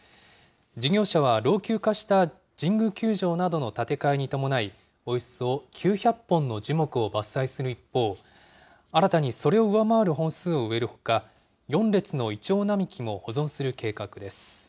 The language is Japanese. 事業者は老朽化した神宮球場などの建て替えに伴い、およそ９００本の樹木を伐採する一方、新たにそれを上回る本数を植えるほか、４列のいちょう並木も保存する計画です。